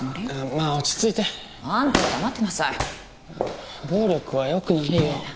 まあ落ち着いてあんたは黙ってなさい暴力はよくないよねえ